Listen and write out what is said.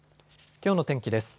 きょうの天気です。